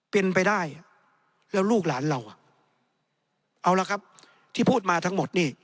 เป็นไปได้แล้วลูกหลานเราอ่ะเอาละครับที่พูดมาทั้งหมดนี่